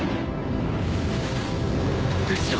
後ろ！